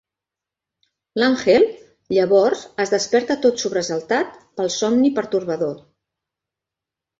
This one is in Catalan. L'Angel, llavors, es desperta tot sobresaltat pel somni pertorbador.